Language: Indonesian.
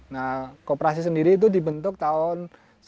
nah kooperasi sendiri itu dibentuk tahun seribu sembilan ratus sembilan puluh